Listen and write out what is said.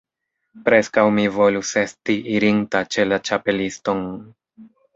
Preskaŭ mi volus esti irinta ĉe la Ĉapeliston.